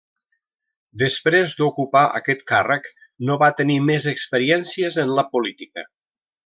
Després d'ocupar aquest càrrec, no va tenir més experiències en la política.